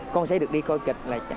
con sẽ được đi coi kịch